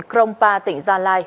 crompa tỉnh gia lai